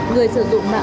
người sử dụng mạng